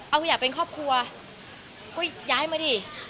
เอากูอยากเป็นครอบครัวก็ย้ายมาดิ